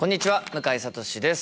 向井慧です。